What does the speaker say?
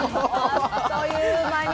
あっという間に。